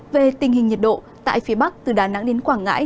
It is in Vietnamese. về tình hình nhiệt độ tại phía bắc từ đà nẵng đến quảng ngãi